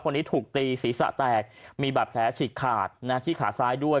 คนนี้ถูกตีศีรษะแตกมีบาดแผลฉีกขาดที่ขาซ้ายด้วย